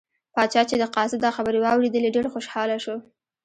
پاچا چې د قاصد دا خبرې واوریدلې ډېر خوشحاله شو.